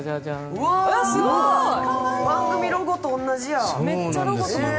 番組ロゴと同じや。